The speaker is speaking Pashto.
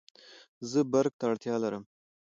زه برق ته اړتیا لرم